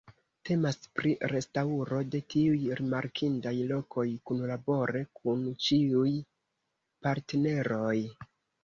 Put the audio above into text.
Temas pri restaŭro de tiuj rimarkindaj lokoj kunlabore kun ĉiuj partneroj.